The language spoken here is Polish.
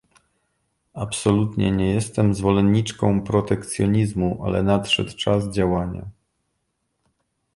Absolutnie nie jestem zwolenniczką protekcjonizmu, ale nadszedł czas działania